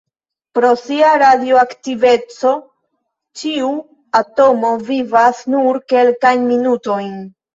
Pro sia radioaktiveco, ĉiu atomo vivas nur kelkajn minutojn.